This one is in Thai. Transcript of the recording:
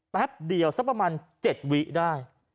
แป๊บเดียวสักประมาณ๗วิได้